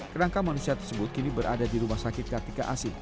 kerangka manusia tersebut kini berada di rumah sakit kartika asin